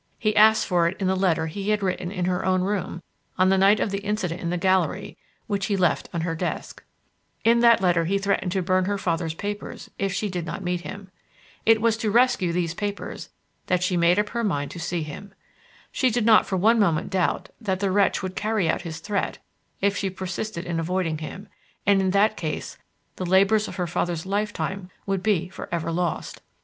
He asked for it in the letter he had written in her own room, on the night of the incident in the gallery, which he left on her desk. In that letter he threatened to burn her father's papers if she did not meet him. It was to rescue these papers that she made up her mind to see him. She did not for one moment doubt that the wretch would carry out his threat if she persisted in avoiding him, and in that case the labours of her father's lifetime would be for ever lost.